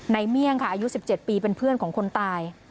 เมี่ยงค่ะอายุ๑๗ปีเป็นเพื่อนของคนตาย